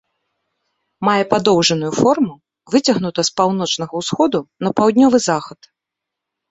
Мае падоўжаную форму, выцягнута з паўночнага ўсходу на паўднёвы захад.